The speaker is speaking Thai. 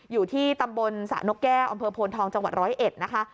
อยู่ที่ตำบลสระนกแก้วอำเภอโพนทองจังหวัดร้อยเอ็ดนะคะ